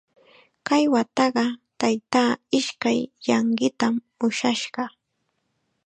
Kay wataqa taytaa ishkay llanqitam ushashqa.